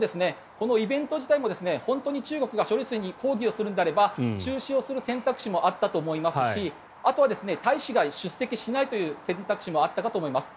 このイベント自体も本当に中国が処理水に抗議をするのであれば中止をする選択肢もあったと思いますしあとは大使が出席しないという選択肢もあったかと思います。